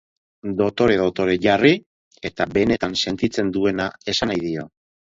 Dotore-dotore jarri, eta benetan sentitzen duena esan nahi dio.